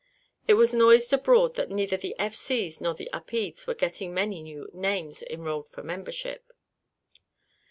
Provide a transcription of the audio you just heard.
It was noised abroad that neither the F. C.'s nor the Upedes were getting many new names enrolled for membership.